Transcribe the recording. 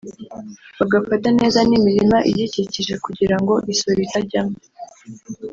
bagafata neza n’imirima igikikije kugira ngo isuri itajyamo